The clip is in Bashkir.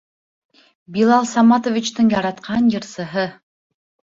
Билал Саматовичтың яратҡан йырсыһы.